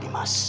nimas pak witra